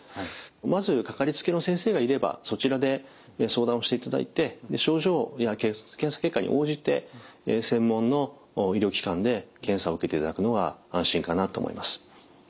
まずかかりつけの先生がいればそちらで相談をしていただいて症状や検査結果に応じて専門の医療機関で検査を受けていただくのが安心かなと思います。